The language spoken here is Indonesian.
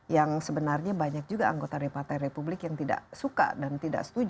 yang sebenarnya banyak juga anggota dpr republik yang tidak suka dan tidak setuju